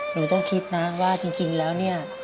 หนูต้องคิดนะว่าจริงแล้วเนี่ย